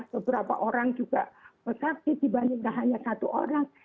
seberapa orang juga pesakit dibandingkan hanya satu orang